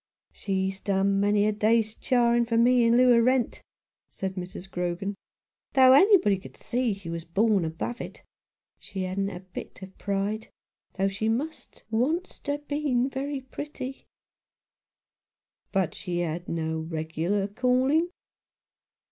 "She's done many a day's charing for me in loo of rent," said Mrs. Grogan, "though anybody could see she was born above it. She hadn't a bit of pride, though she must onest have been very pretty." " But had she no regular calling